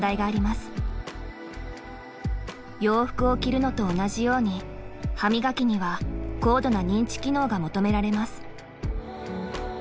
洋服を着るのと同じように歯磨きには高度な認知機能が求められます。